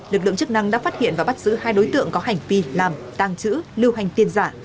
lực lượng chức năng đã phát hiện và bắt giữ hai đối tượng có hành vi làm tàng trữ lưu hành tiền giả